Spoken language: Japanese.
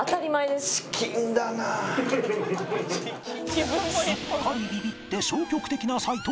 すっかりビビって消極的な齊藤